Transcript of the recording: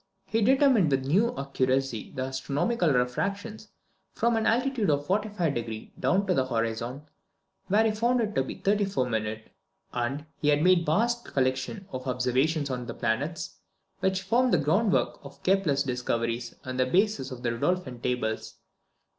He determined with new accuracy the astronomical refractions from an altitude of 45° down to the horizon, where he found it to be 34´; and he made a vast collection of observations on the planets, which formed the groundwork of Kepler's discoveries and the basis of the Rudolphine Tables.